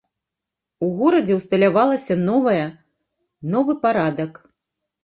У горадзе ўсталявалася новае, новы парадак.